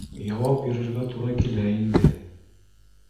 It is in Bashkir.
— Яуап бирергә тура килә инде.